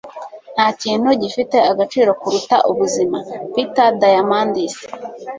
nta kintu gifite agaciro kuruta ubuzima - peter diamandis